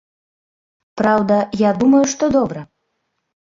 Праўда, я думаю, што добра.